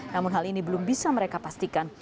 namun hal ini belum bisa mereka pastikan